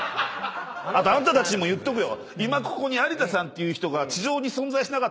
あとあんたたちにも言っとくよ。